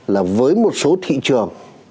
là với một số thị trường